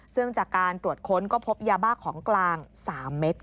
ซึ่งจากการตรวจค้นก็พบยาบ้าของกลาง๓เม็ด